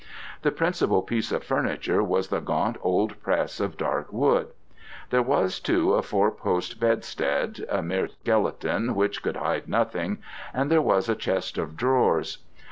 The principal piece of furniture was the gaunt old press of dark wood. There was, too, a four post bedstead, a mere skeleton which could hide nothing, and there was a chest of drawers.